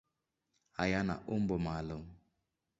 Hayana umbo maalum.